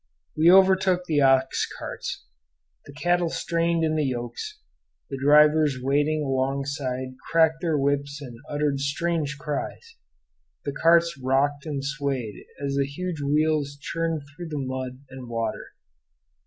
We overtook the ox carts. The cattle strained in the yokes; the drivers wading alongside cracked their whips and uttered strange cries; the carts rocked and swayed as the huge wheels churned through the mud and water.